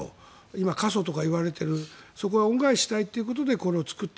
今、過疎とかいわれているそこに恩返ししたいということでこれを作った。